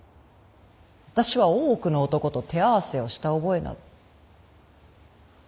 私は大奥の男と手合わせをした覚えなど。